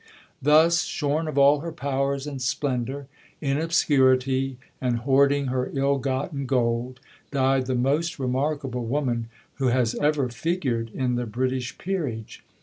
Thus, shorn of all her powers and splendour, in obscurity, and hoarding her ill gotten gold, died the most remarkable woman who has ever figured in the British Peerage.